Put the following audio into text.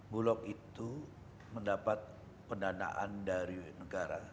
bulog itu mendapat pendanaan dari negara